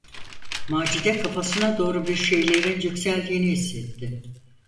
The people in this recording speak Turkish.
Macide kafasına doğru bir şeylerin yükseldiğini hissetti.